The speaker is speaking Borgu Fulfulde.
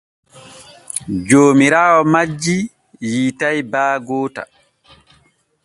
Joomiraawo majji yiitay baa goota.